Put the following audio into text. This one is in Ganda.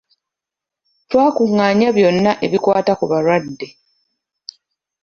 Twakungaanya byonna ebikwata ku balwadde.